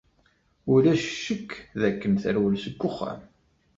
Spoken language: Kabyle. Ulac ccekk dakken terwel seg uxxam.